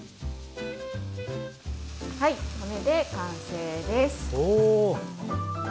これで完成です。